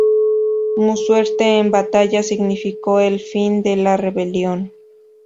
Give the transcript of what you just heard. Su muerte en batalla significó el fin de la rebelión.